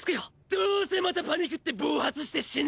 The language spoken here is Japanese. どせまたパニクって暴発して死ぬ！